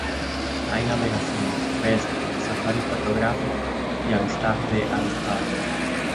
Hay navegación, pesca, safari fotográfico y avistaje de avifauna.